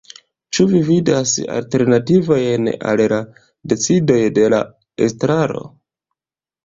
Ĉu vi vidas alternativojn al la decidoj de la estraro?